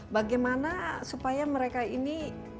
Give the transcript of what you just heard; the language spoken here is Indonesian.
bagaimana supaya mereka ini